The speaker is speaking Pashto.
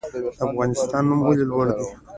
د افغانستان نوم ولې لوړ دی؟